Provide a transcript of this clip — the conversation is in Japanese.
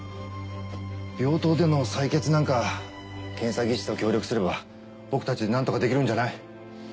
病棟での採血なんかは検査技師と協力すれば僕たちでなんとかできるんじゃない？